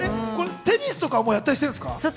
テニスはやったりしてるんですか？